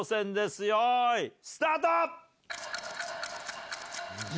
よいスタート！